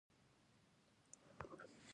ایا ستاسو غوږونه اوریدل کوي؟